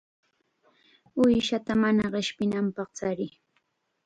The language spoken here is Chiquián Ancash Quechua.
Uushata mana qishpinanpaq chariy.